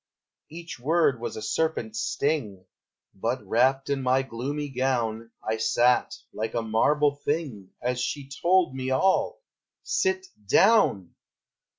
Each word was a serpent's sting, But, wrapt in my gloomy gown, I sat, like a marble thing, As she told me all! SIT DOWN!